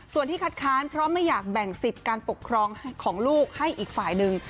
ส่วนที่คัดค้านเพราะไม่อยากแบ่งสิทธิ์การปกครองของลูกให้อีกฝ่ายหนึ่ง